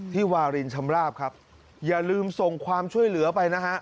วารินชำราบครับอย่าลืมส่งความช่วยเหลือไปนะฮะ